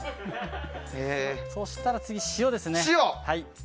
そうしたら次、塩ですね。